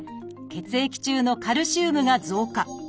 血液中のカルシウムが増加。